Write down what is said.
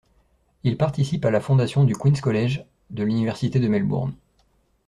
Il participe à la fondation du Queen’s College de l’université de Melbourne.